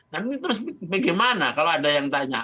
tapi terus bagaimana kalau ada yang tanya